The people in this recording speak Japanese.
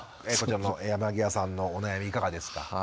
こちらも山際さんのお悩みいかがですか？